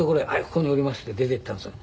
「ここにおります」って出て行ったんですよ